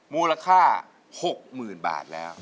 มูลค่า๖๐๐๐บาทแล้ว